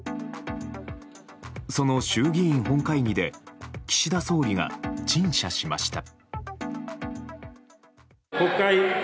その衆議院本会議で岸田総理が陳謝しました。